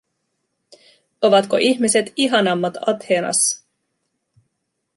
Ovatko ihmiset ihanammat Athenassa?